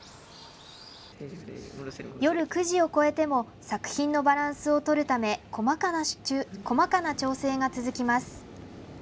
夜９時を越えても作品のバランスをとるため細かな調整が続きます。